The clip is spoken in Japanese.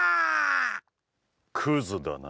「クズだな」